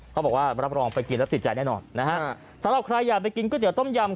เขาบอกว่ารับรองไปกินแล้วติดใจแน่นอนนะฮะสำหรับใครอยากไปกินก๋วเตี๋ต้มยำ